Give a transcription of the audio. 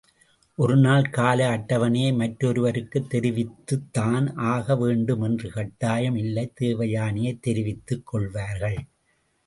ஒரு நாள் கால அட்டவணையை மற்றொருவருக்குத் தெரிவித்துத்தான் ஆக வேண்டும் என்ற கட்டாயம் இல்லை தேவையானதைத் தெரிவித்துக் கொள்வார்கள்.